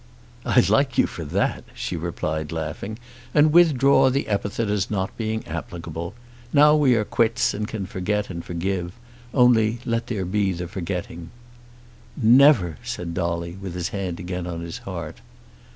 "I like you for that," she replied laughing, "and withdraw the epithet as not being applicable. Now we are quits and can forget and forgive; only let there be the forgetting." "Never!" said Dolly, with his hand again on his heart.